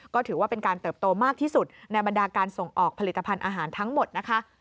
ก็ถือว่าเป็นการเติบโตมากที่สุดในบรรดาการส่งออกผลิตภัณฑ์อาหารทั้งหมดนะคะ